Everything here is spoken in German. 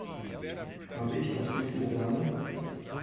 Habe ich noch süße Sahne?